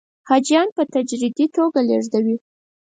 حاجیان په تدریجي توګه لېږدوي.